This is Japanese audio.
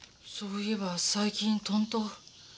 そういえば最近とんと。